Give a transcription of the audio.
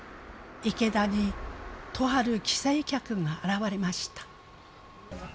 池田にとある帰省客が現れました。